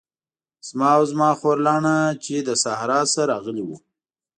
زه او زما خورلنډه چې له صحرا نه راغلې وو.